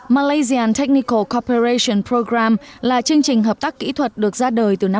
malaysian technical cooperation program là chương trình hợp tác kỹ thuật được ra đời từ năm một nghìn chín trăm tám mươi